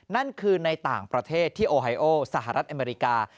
นั่นคือในต่างประเทศที่โอไฮโอสหรัฐอเมริกา